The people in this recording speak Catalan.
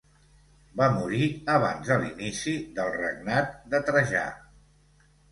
Va morir abans de l'inici del regnat de Trajà.